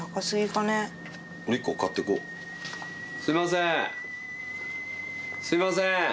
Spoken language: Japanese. すいません。